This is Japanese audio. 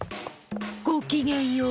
ごきげんよう！